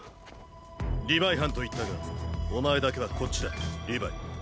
リヴァイ班と言ったがお前だけはこっちだリヴァイ。